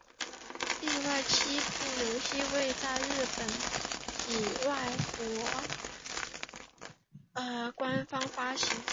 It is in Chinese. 另外七部游戏未在日本以外官方发行。